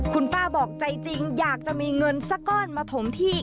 คุณป้าบอกใจจริงอยากจะมีเงินสักก้อนมาถมที่